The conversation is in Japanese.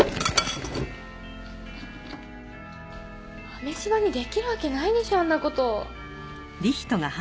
マメシバにできるわけないでしょあんなこと。